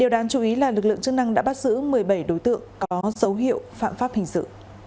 các lực lượng chức năng đã bắt giữ một mươi bảy đối tượng có dấu hiệu phạm pháp hình sự